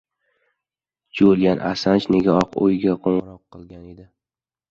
Julian Assanj nega Oq uyga qo‘ng‘iroq qilgan edi?